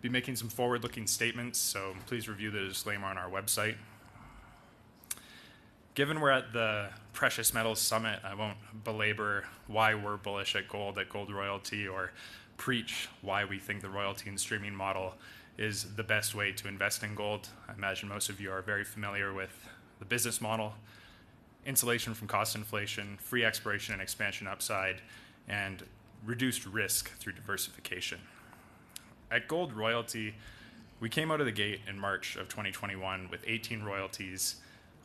be making some forward-looking statements, so please review the disclaimer on our website. Given we're at the Precious Metals Summit, I won't belabor why we're bullish at gold, at Gold Royalty, or preach why we think the royalty and streaming model is the best way to invest in gold. I imagine most of you are very familiar with the business model: insulation from cost inflation, free exploration and expansion upside, and reduced risk through diversification. At Gold Royalty, we came out of the gate in March of 2021 with 18 royalties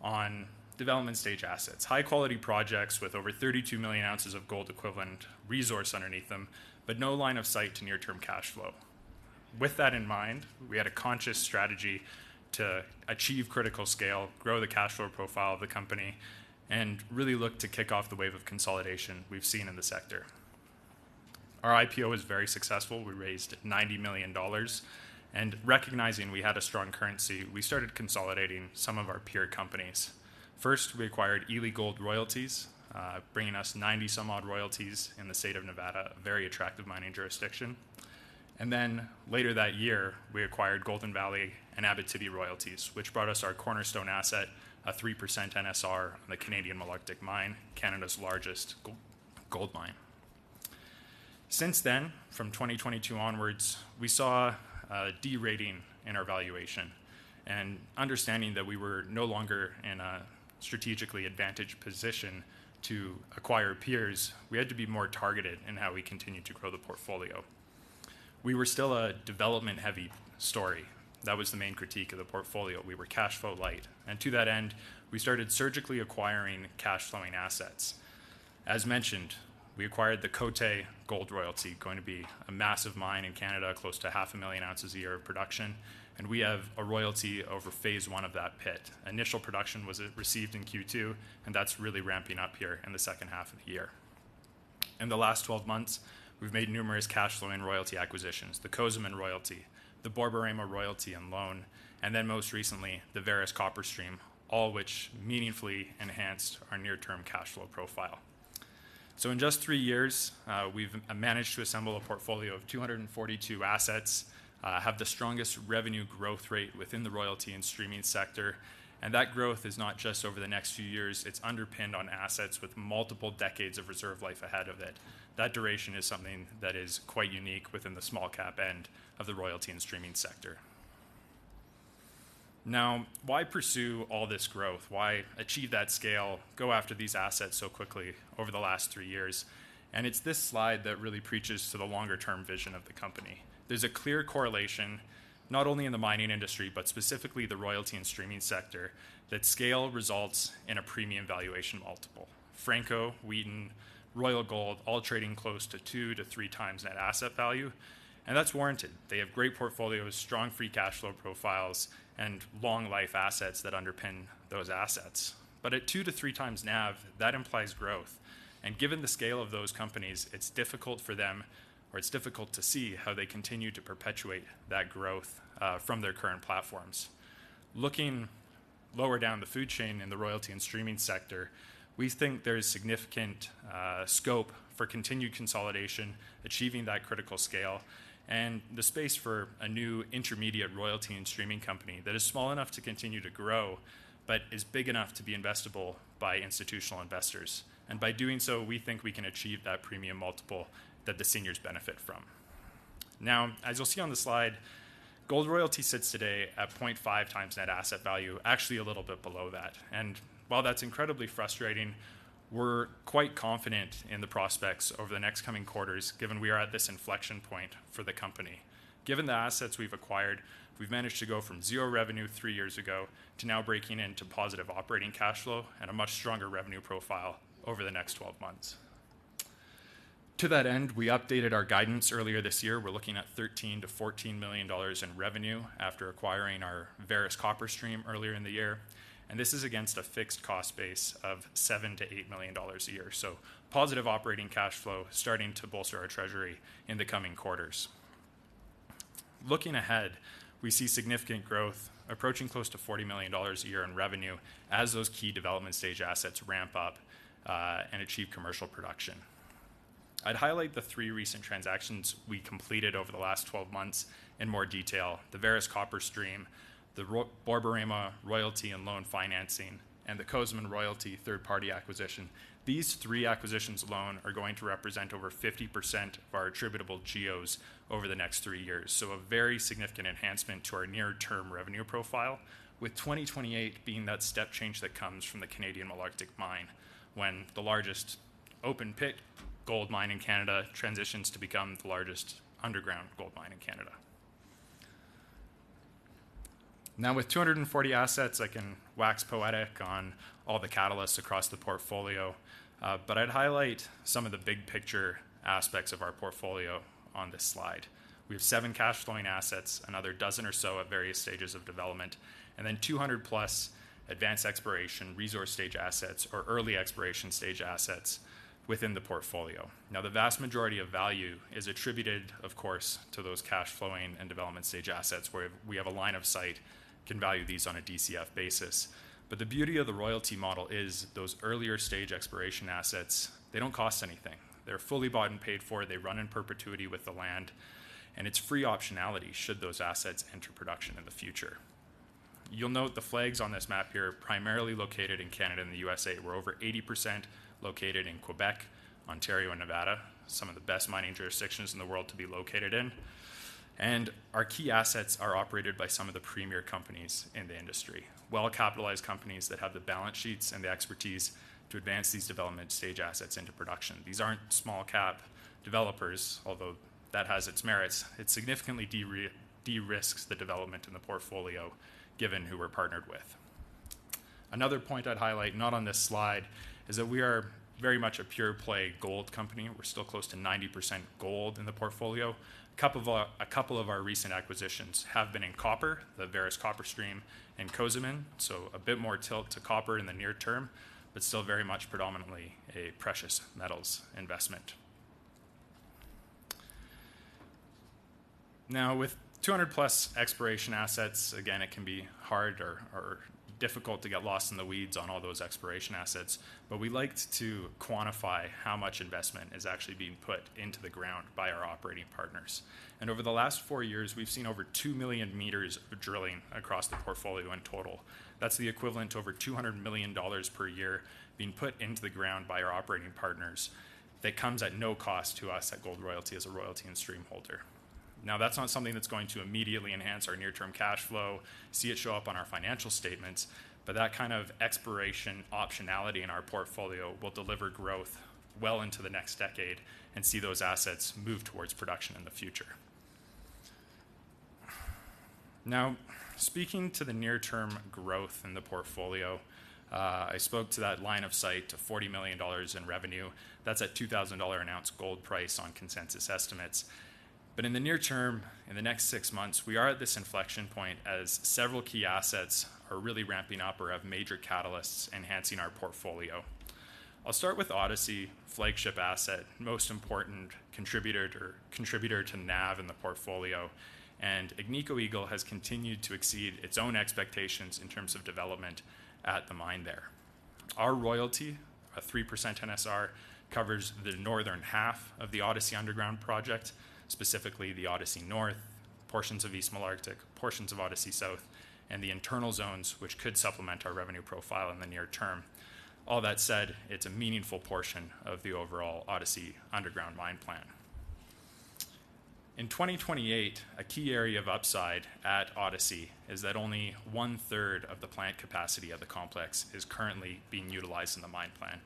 on development-stage assets, high-quality projects with over 32 million ounces of gold equivalent resource underneath them, but no line of sight to near-term cash flow. With that in mind, we had a conscious strategy to achieve critical scale, grow the cash flow profile of the company, and really look to kick off the wave of consolidation we've seen in the sector. Our IPO was very successful. We raised $90 million, and recognizing we had a strong currency, we started consolidating some of our peer companies. First, we acquired Ely Gold Royalties, bringing us ninety-some-odd royalties in the state of Nevada, a very attractive mining jurisdiction. And then later that year, we acquired Golden Valley and Abitibi Royalties, which brought us our cornerstone asset, a 3% NSR, the Canadian Malartic Mine, Canada's largest gold mine. Since then, from 2022 onwards, we saw a derating in our valuation and understanding that we were no longer in a strategically advantaged position to acquire peers, we had to be more targeted in how we continued to grow the portfolio. We were still a development-heavy story. That was the main critique of the portfolio. We were cash flow light, and to that end, we started surgically acquiring cash-flowing assets. As mentioned, we acquired the Côté Gold Royalty, going to be a massive mine in Canada, close to 500,000 ounces a year of production, and we have a royalty over phase one of that pit. Initial production was received in Q2, and that's really ramping up here in the second half of the year. In the last 12 months, we've made numerous cash flow and royalty acquisitions: the Cozamin royalty, the Borborema royalty and loan, and then most recently, the Vares copper stream, all which meaningfully enhanced our near-term cash flow profile. In just 3 years, we've managed to assemble a portfolio of 242 assets, have the strongest revenue growth rate within the royalty and streaming sector, and that growth is not just over the next few years, it's underpinned on assets with multiple decades of reserve life ahead of it. That duration is something that is quite unique within the small cap end of the royalty and streaming sector. Now, why pursue all this growth? Why achieve that scale, go after these assets so quickly over the last 3 years? And it's this slide that really preaches to the longer-term vision of the company. There's a clear correlation, not only in the mining industry, but specifically the royalty and streaming sector, that scale results in a premium valuation multiple. Franco, Wheaton, Royal Gold, all trading close to two to three times net asset value, and that's warranted. They have great portfolios, strong free cash flow profiles, and long life assets that underpin those assets. But at two to three times NAV, that implies growth, and given the scale of those companies, it's difficult for them, or it's difficult to see how they continue to perpetuate that growth, from their current platforms. Looking lower down the food chain in the royalty and streaming sector, we think there is significant scope for continued consolidation, achieving that critical scale and the space for a new intermediate royalty and streaming company that is small enough to continue to grow, but is big enough to be investable by institutional investors. By doing so, we think we can achieve that premium multiple that the seniors benefit from. Now, as you'll see on the slide, Gold Royalty sits today at point five times net asset value, actually a little bit below that. While that's incredibly frustrating, we're quite confident in the prospects over the next coming quarters, given we are at this inflection point for the company. Given the assets we've acquired, we've managed to go from zero revenue three years ago to now breaking into positive operating cash flow and a much stronger revenue profile over the next 12 months. To that end, we updated our guidance earlier this year. We're looking at $13 million-$14 million in revenue after acquiring our Vares copper stream earlier in the year, and this is against a fixed cost base of $7 million-$8 million a year, so positive operating cash flow starting to bolster our treasury in the coming quarters. Looking ahead, we see significant growth approaching close to $40 million a year in revenue as those key development stage assets ramp up, and achieve commercial production. I'd highlight the three recent transactions we completed over the last twelve months in more detail: the Vares copper stream, the Borborema royalty and loan financing, and the Cozamin royalty third-party acquisition. These three acquisitions alone are going to represent over 50% of our attributable GEOs over the next three years. So a very significant enhancement to our near-term revenue profile, with 2028 being that step change that comes from the Canadian Malartic Mine when the largest open-pit gold mine in Canada transitions to become the largest underground gold mine in Canada. Now, with 240 assets, I can wax poetic on all the catalysts across the portfolio, but I'd highlight some of the big picture aspects of our portfolio on this slide. We have seven cash flowing assets, another dozen or so at various stages of development, and then 200-plus advanced exploration, resource stage assets, or early exploration stage assets within the portfolio. Now, the vast majority of value is attributed, of course, to those cash flowing and development stage assets where we have a line of sight, can value these on a DCF basis. But the beauty of the royalty model is those earlier stage exploration assets, they don't cost anything. They're fully bought and paid for, they run in perpetuity with the land, and it's free optionality should those assets enter production in the future. You'll note the flags on this map here are primarily located in Canada and the USA. We're over 80% located in Quebec, Ontario, and Nevada, some of the best mining jurisdictions in the world to be located in. Our key assets are operated by some of the premier companies in the industry, well-capitalized companies that have the balance sheets and the expertise to advance these development stage assets into production. These aren't small cap developers, although that has its merits. It significantly de-risks the development in the portfolio, given who we're partnered with. Another point I'd highlight, not on this slide, is that we are very much a pure play gold company. We're still close to 90% gold in the portfolio. A couple of our recent acquisitions have been in copper, the Vares copper stream and Cozamin, so a bit more tilt to copper in the near term, but still very much predominantly a precious metals investment. Now, with 200+ exploration assets, again, it can be hard or difficult to get lost in the weeds on all those exploration assets, but we liked to quantify how much investment is actually being put into the ground by our operating partners, and over the last four years, we've seen over 2 million meters of drilling across the portfolio in total. That's the equivalent to over $200 million per year being put into the ground by our operating partners. That comes at no cost to us at Gold Royalty as a royalty and stream holder. Now, that's not something that's going to immediately enhance our near-term cash flow, see it show up on our financial statements, but that kind of exploration optionality in our portfolio will deliver growth well into the next decade and see those assets move towards production in the future. Now, speaking to the near-term growth in the portfolio, I spoke to that line of sight to $40 million in revenue. That's at $2,000 an ounce gold price on consensus estimates, but in the near term, in the next six months, we are at this inflection point as several key assets are really ramping up or have major catalysts enhancing our portfolio. I'll start with Odyssey, flagship asset, most important contributor to NAV in the portfolio, and Agnico Eagle has continued to exceed its own expectations in terms of development at the mine there. Our royalty, a 3% NSR, covers the northern half of the Odyssey Underground project, specifically the Odyssey North, portions of East Malartic, portions of Odyssey South, and the internal zones, which could supplement our revenue profile in the near term. All that said, it's a meaningful portion of the overall Odyssey underground mine plan. In 2028, a key area of upside at Odyssey is that only one-third of the plant capacity of the complex is currently being utilized in the mine plan.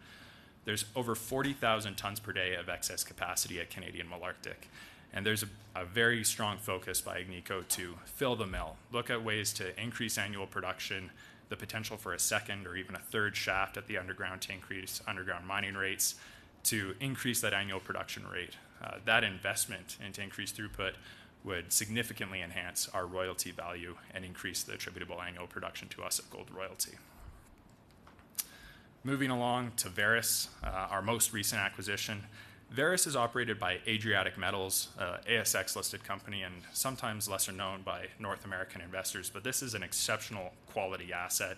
There's over 40,000 tons per day of excess capacity at Canadian Malartic, and there's a very strong focus by Agnico to fill the mill, look at ways to increase annual production, the potential for a second or even a third shaft at the underground to increase underground mining rates, to increase that annual production rate. That investment into increased throughput would significantly enhance our royalty value and increase the attributable annual production to us at Gold Royalty. Moving along to Vares, our most recent acquisition. Vares is operated by Adriatic Metals, ASX-listed company, and sometimes lesser-known by North American investors, but this is an exceptional quality asset,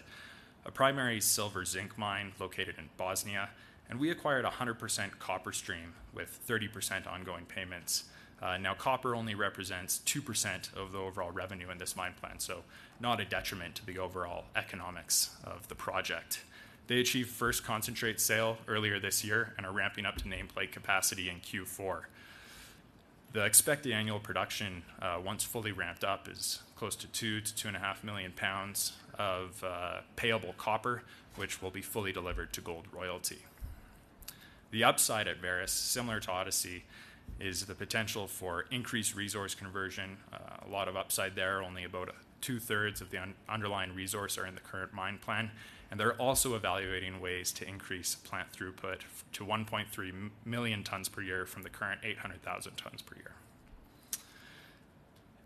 a primary silver zinc mine located in Bosnia, and we acquired a 100% copper stream with 30% ongoing payments. Now, copper only represents 2% of the overall revenue in this mine plan, so not a detriment to the overall economics of the project. They achieved first concentrate sale earlier this year and are ramping up to nameplate capacity in Q4. The expected annual production, once fully ramped up, is close to 2-2.5 million pounds of payable copper, which will be fully delivered to Gold Royalty. The upside at Vares, similar to Odyssey, is the potential for increased resource conversion. A lot of upside there. Only about two-thirds of the underlying resource are in the current mine plan, and they're also evaluating ways to increase plant throughput to 1.3 million tons per year from the current 800,000 tons per year.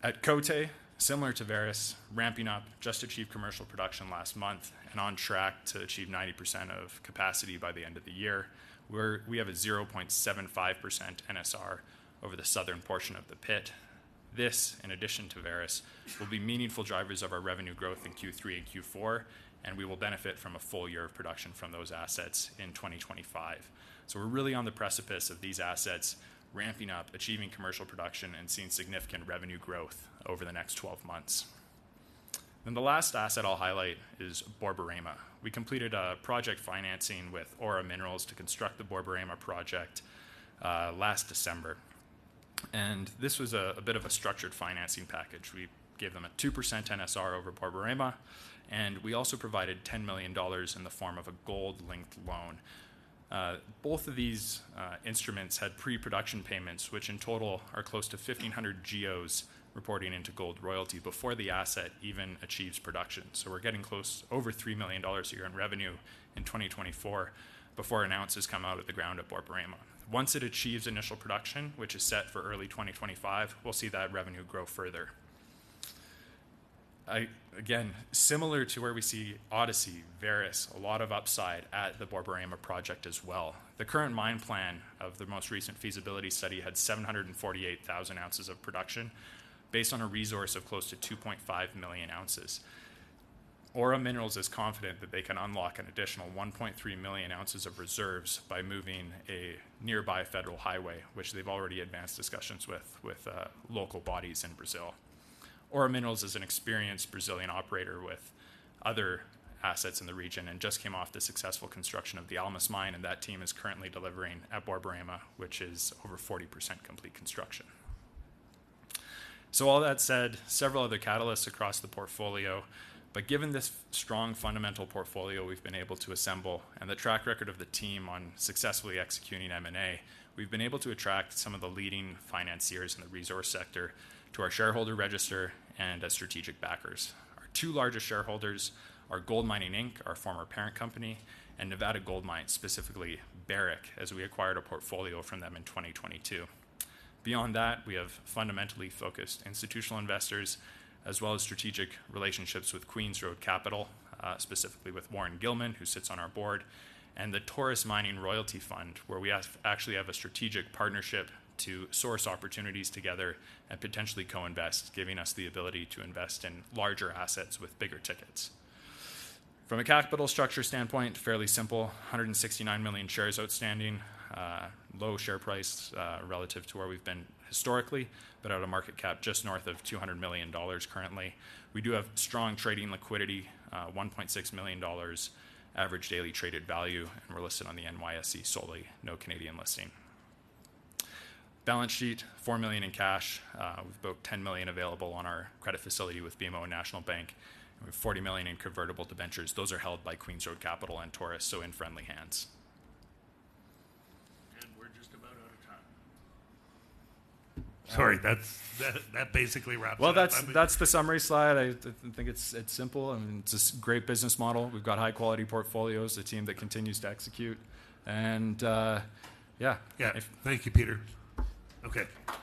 At Côté, similar to Vares, ramping up, just achieved commercial production last month and on track to achieve 90% of capacity by the end of the year. We have a 0.75% NSR over the southern portion of the pit. This, in addition to Vares, will be meaningful drivers of our revenue growth in Q3 and Q4, and we will benefit from a full year of production from those assets in 2025, so we're really on the precipice of these assets, ramping up, achieving commercial production, and seeing significant revenue growth over the next twelve months. And the last asset I'll highlight is Borborema. We completed a project financing with Aura Minerals to construct the Borborema project last December, and this was a bit of a structured financing package. We gave them a 2% NSR over Borborema, and we also provided $10 million in the form of a gold-linked loan. Both of these instruments had pre-production payments, which in total are close to 1,500 GEOs reporting into Gold Royalty before the asset even achieves production. So we're getting close, over $3 million a year in revenue in 2024 before ounces come out of the ground at Borborema. Once it achieves initial production, which is set for early 2025, we'll see that revenue grow further. Again, similar to where we see Odyssey, Vares, a lot of upside at the Borborema project as well. The current mine plan of the most recent feasibility study had 748,000 ounces of production based on a resource of close to 2.5 million ounces. Aura Minerals is confident that they can unlock an additional 1.3 million ounces of reserves by moving a nearby federal highway, which they've already advanced discussions with local bodies in Brazil. Aura Minerals is an experienced Brazilian operator with other assets in the region, and just came off the successful construction of the Almas Mine, and that team is currently delivering at Borborema, which is over 40% complete construction. So all that said, several other catalysts across the portfolio, but given this strong fundamental portfolio we've been able to assemble, and the track record of the team on successfully executing M&A, we've been able to attract some of the leading financiers in the resource sector to our shareholder register and as strategic backers. Our two largest shareholders are GoldMining Inc, our former parent company, and Nevada Gold Mines, specifically Barrick, as we acquired a portfolio from them in twenty twenty-two. Beyond that, we have fundamentally focused institutional investors, as well as strategic relationships with Queen's Road Capital, specifically with Warren Gilman, who sits on our board, and the Taurus Mining Royalty Fund, where we actually have a strategic partnership to source opportunities together and potentially co-invest, giving us the ability to invest in larger assets with bigger tickets. From a capital structure standpoint, fairly simple. 169 million shares outstanding, low share price relative to where we've been historically, but at a market cap just north of $200 million currently. We do have strong trading liquidity, $1.6 million average daily traded value, and we're listed on the NYSE solely, no Canadian listing. Balance sheet, $4 million in cash, with about $10 million available on our credit facility with BMO and National Bank, and we have $40 million in convertible debentures. Those are held by Queen's Road Capital and Taurus, so in friendly hands. And we're just about out of time. Sorry, that's basically wraps it up. That's the summary slide. I think it's simple, and it's a great business model. We've got high-quality portfolios, a team that continues to execute, and, yeah. Yeah. Thank you, Peter. Okay.